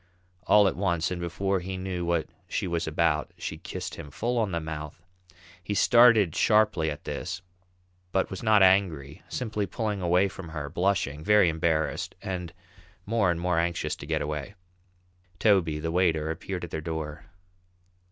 All at once, and before he knew what she was about, she kissed him full on the mouth. He started sharply at this, but was not angry, simply pulling away from her, blushing, very embarrassed, and more and more anxious to get away. Toby, the waiter, appeared at their door.